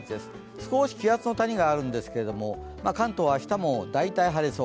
少し気圧の谷があるんですけど、関東は明日も大体晴れそう。